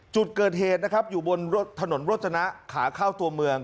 จุดเกิดเหตุนะครับอยู่บนถนนโรจนะขาเข้าตัวเมือง